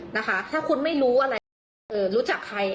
นะคะถ้าคุณไม่รู้อะไรรู้จักใคร